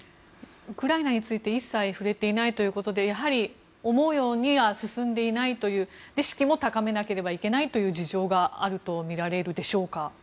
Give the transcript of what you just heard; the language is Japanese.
ウクライナについて一切触れていないということでやはり思うようには進んでいないという士気も高めなければいけないという事情があるとみられるでしょうか。